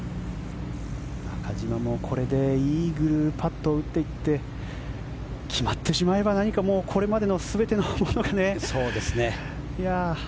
中島もこれでイーグルパットを打っていって決まってしまえばこれまでの全てのものが。